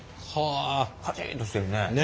カチッとしてるね。